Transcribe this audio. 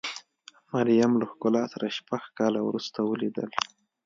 مریم له ښکلا سره شپږ کاله وروسته ولیدل.